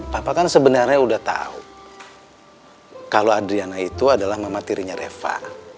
papa kan sebenarnya udah tahu kalau adriana itu adalah mama tirinya reva